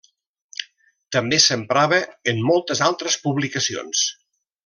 També s'emprava en moltes altres publicacions.